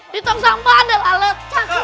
di tong sampah ada lalat